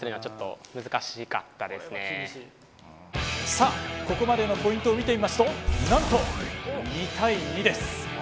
さあここまでのポイントを見てみますとなんと２対２です。